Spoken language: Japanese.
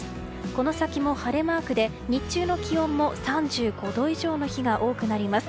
この先も晴れマークで日中の気温も３５度以上の日が多くなります。